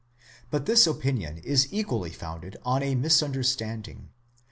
1* But this opinion is equally founded on a misunderstanding.